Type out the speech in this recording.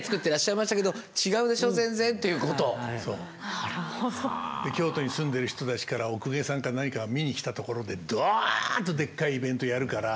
はいはい今度京都に住んでる人たちからお公家さんから何かが見に来たところでドーンとでっかいイベントやるから。